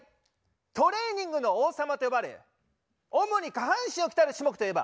「トレーニングの王様」と呼ばれ主に下半身を鍛える種目といえば？